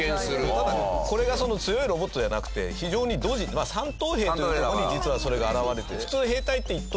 ただこれが強いロボットじゃなくて非常にドジ三等兵というところに実はそれが表れて。